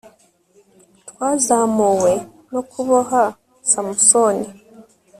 twazamuwe no kuboha samusoni